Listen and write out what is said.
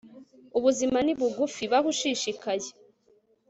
ubuzima ni bugufi. baho ushishikaye